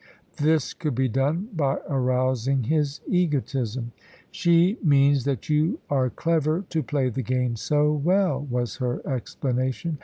This could be done by arousing his egotism. "She means that you are clever to play the game so well," was her explanation.